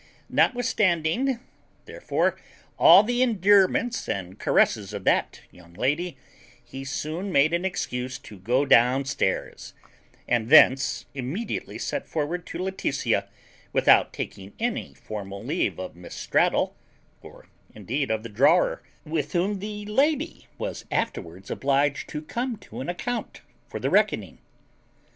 Notwithstanding, therefore, all the endearments and caresses of that young lady, he soon made an excuse to go down stairs, and thence immediately set forward to Laetitia without taking any formal leave of Miss Straddle, or indeed of the drawer, with whom the lady was afterwards obliged to come to an account for the reckoning.